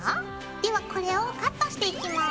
ではこれをカットしていきます。